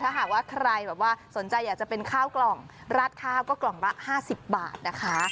ถ้าหากว่าใครแบบว่าสนใจอยากจะเป็นข้าวกล่องราดข้าวก็กล่องละ๕๐บาทนะคะ